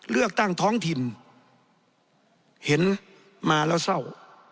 เลือกตั้งท้องถิ่นเห็นมาแล้วเศร้า